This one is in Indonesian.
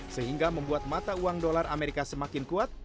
sehingga membuat mata uang dolar amerika semakin kuat